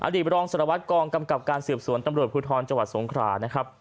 รองสารวัตรกองกำกับการสืบสวนตำรวจภูทรจังหวัดสงขรานะครับ